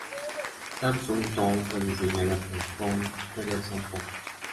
Samsung Town fue diseñada por Kohn Pedersen Fox.